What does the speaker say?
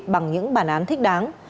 bằng những bản án thích đáng